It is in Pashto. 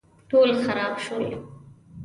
ټول خراب شول